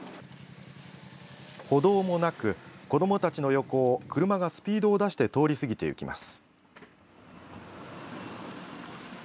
歩道もなく、子どもたちの横を車がスピードを出して通り過ぎていきます。